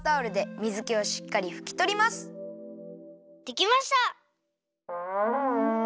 できました！